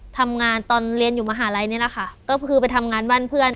ทำงานตอนเรียนอยู่มหาลัยนี่แหละค่ะก็คือไปทำงานบ้านเพื่อน